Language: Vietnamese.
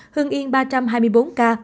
hương yên ba trăm hai mươi bốn ca